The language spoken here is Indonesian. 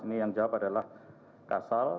ini yang jawab adalah kasal